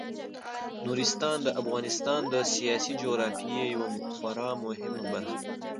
نورستان د افغانستان د سیاسي جغرافیې یوه خورا مهمه برخه ده.